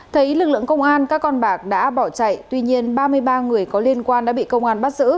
thấy lực lượng công an các con bạc đã bỏ chạy tuy nhiên ba mươi ba người có liên quan đã bị công an bắt giữ